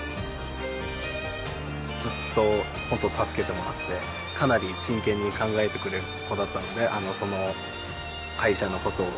ずっと本当助けてもらってかなり真剣に考えてくれる子だったので会社のことを。